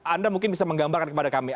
anda mungkin bisa menggambarkan kepada kami